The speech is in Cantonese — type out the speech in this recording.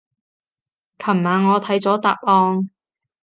琴晚我睇咗答案